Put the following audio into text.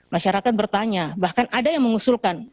masyarakat bertanya bahkan ada yang mengusulkan